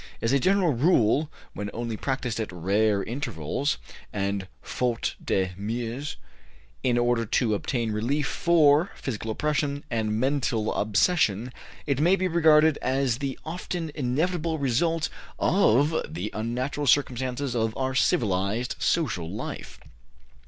As a general rule, when only practiced at rare intervals, and faute de mieux, in order to obtain relief for physical oppression and mental obsession, it may be regarded as the often inevitable result of the unnatural circumstances of our civilized social life.